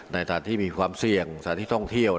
สถานที่มีความเสี่ยงสถานที่ท่องเที่ยว